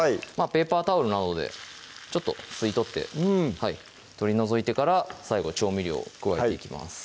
ペーパータオルなどでちょっと吸い取って取り除いてから最後調味料を加えていきます